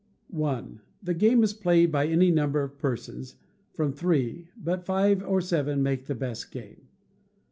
i. This game is played by any number of persons, from three, but five or seven make the best game.